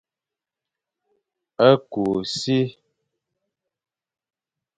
Ku e si.